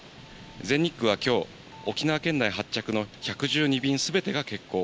全日空はきょう、沖縄県内発着の１１２便すべてが欠航。